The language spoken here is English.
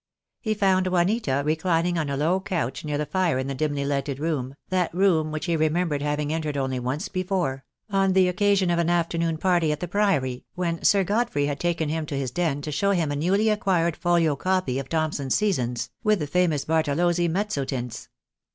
He found Juanita reclining on a low couch near the fire in a dimly lighted room, that room which he remem bered having entered only once before, on the occasion of an afternoon party at the Priory, when Sir Godfrey had taken him to his den to show him a newly acquired folio copy of Thomson's Seasons, with the famous Barto lozzi mezzotints.